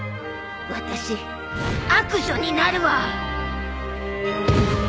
私悪女になるわ！